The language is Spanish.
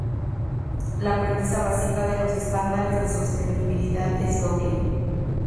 La premisa básica de los estándares de sostenibilidad es doble.